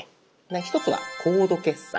一つは「コード決済」。